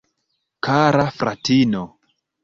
Kara fratino!